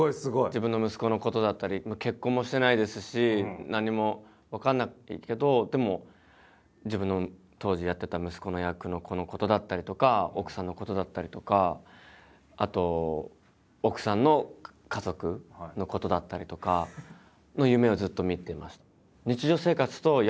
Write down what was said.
自分の息子のことだったり結婚もしてないですし何も分かんないけどでも自分の当時やってた息子の役の子のことだったりとか奥さんのことだったりとかあと奥さんの家族のことだったりとかの夢をずっと見てました。